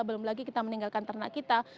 belum lagi kita meninggalkan ternak kita